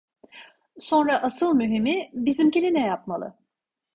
Sonra asıl mühimi: Bizimkini ne yapmalı?